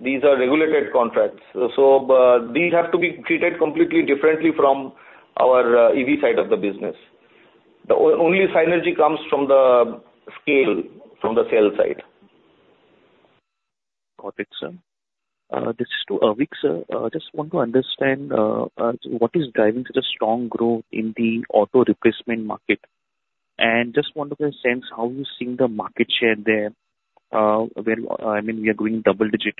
These are regulated contracts. So these have to be treated completely differently from our EV side of the business. The only synergy comes from the scale, from the sales side. Got it, sir. This is to Avik, sir. I just want to understand what is driving such a strong growth in the auto replacement market. And just want to get a sense of how you're seeing the market share there. I mean, we are going double-digit.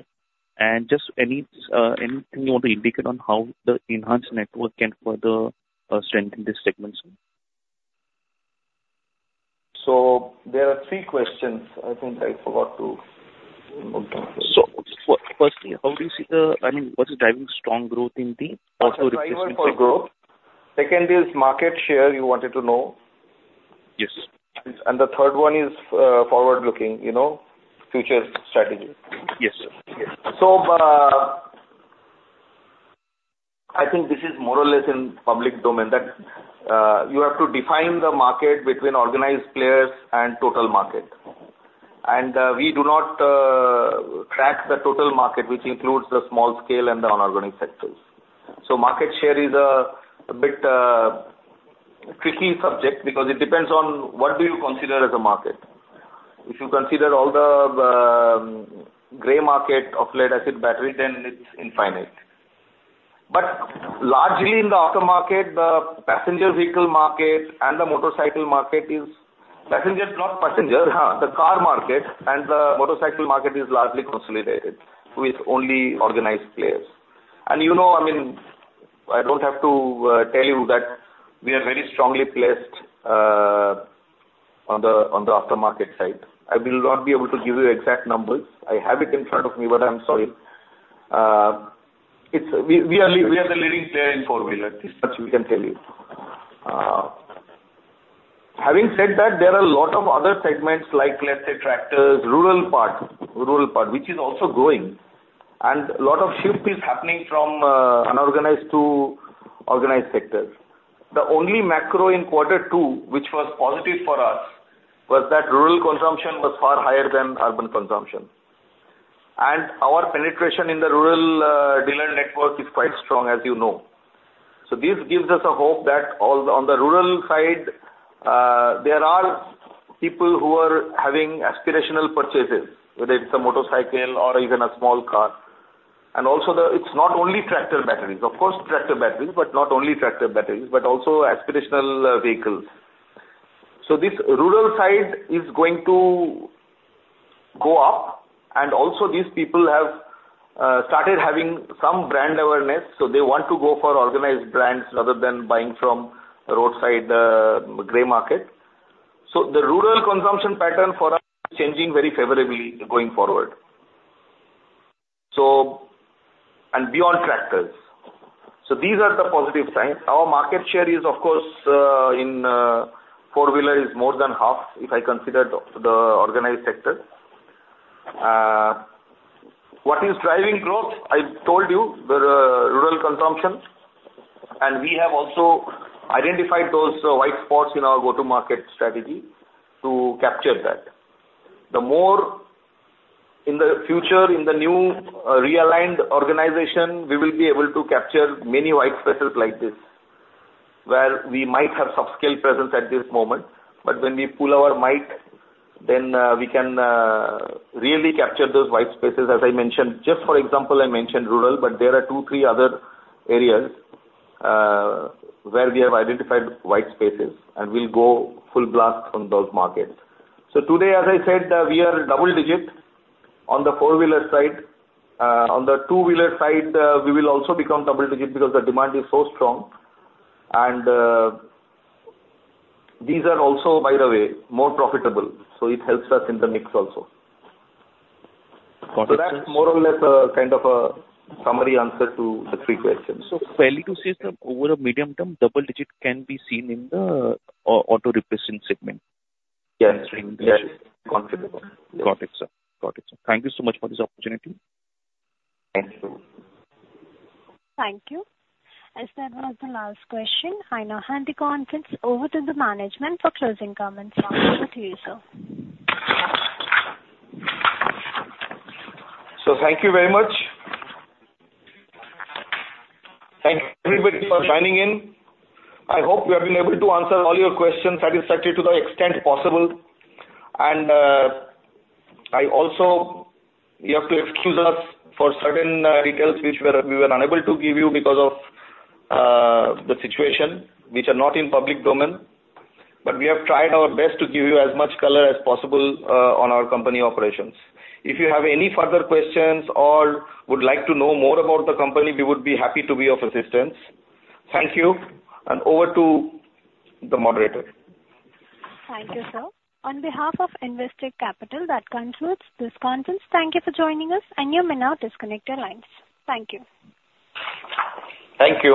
And just anything you want to indicate on how the enhanced network can further strengthen this segment? So there are three questions. I think I forgot to. Firstly, how do you see the, I mean, what is driving strong growth in the auto replacement? Firstly, growth. Second is market share. You wanted to know. Yes. The third one is forward-looking, future strategy. Yes, sir. So I think this is more or less in public domain. You have to define the market between organized players and total market. And we do not track the total market, which includes the small scale and the unorganized sectors. So market share is a bit tricky subject because it depends on what do you consider as a market. If you consider all the gray market of lead-acid battery, then it's infinite. But largely in the auto market, the passenger vehicle market and the motorcycle market is passenger not passenger, the car market and the motorcycle market is largely consolidated with only organized players. And you know, I mean, I don't have to tell you that we are very strongly placed on the aftermarket side. I will not be able to give you exact numbers. I have it in front of me, but I'm sorry. We are the leading player in four-wheeler. That's what we can tell you. Having said that, there are a lot of other segments, like let's say tractors, rural part, which is also growing. And a lot of shift is happening from unorganized to organized sectors. The only macro in quarter two, which was positive for us, was that rural consumption was far higher than urban consumption. And our penetration in the rural dealer network is quite strong, as you know. So this gives us a hope that on the rural side, there are people who are having aspirational purchases, whether it's a motorcycle or even a small car. And also, it's not only tractor batteries, of course, but also aspirational vehicles. So this rural side is going to go up. Also, these people have started having some brand awareness, so they want to go for organized brands rather than buying from roadside gray market. The rural consumption pattern for us is changing very favorably going forward and beyond tractors. These are the positive signs. Our market share is, of course, in four-wheelers more than half if I consider the organized sector. What is driving growth? I told you the rural consumption. We have also identified those white spots in our go-to-market strategy to capture that. The more in the future, in the new realigned organization, we will be able to capture many white spaces like this, where we might have subscale presence at this moment. When we pull our might, then we can really capture those white spaces, as I mentioned. Just for example, I mentioned rural, but there are two, three other areas where we have identified white spaces, and we'll go full blast on those markets. So today, as I said, we are double-digit on the four-wheeler side. On the two-wheeler side, we will also become double-digit because the demand is so strong. And these are also, by the way, more profitable. So it helps us in the mix also. Got it. That's more or less kind of a summary answer to the three questions. Fairly to say, sir, over a medium term, double-digit can be seen in the auto replacement segment. Yes. Got it, sir. Got it, sir. Thank you so much for this opportunity. Thank you. Thank you. As that was the last question, I now hand the conference over to the management for closing comments. I'll hand it to you, sir. Thank you very much. Thank everybody for joining in. I hope we have been able to answer all your questions satisfactorily to the extent possible. I also have to excuse us for certain details which we were unable to give you because of the situation, which are not in public domain. But we have tried our best to give you as much color as possible on our company operations. If you have any further questions or would like to know more about the company, we would be happy to be of assistance. Thank you. Over to the moderator. Thank you, sir. On behalf of Investec Capital, that concludes this conference. Thank you for joining us, and you may now disconnect your lines. Thank you. Thank you.